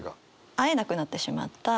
会えなくなってしまったある人